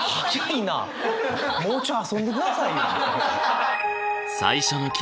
もうちょい遊んでくださいよ！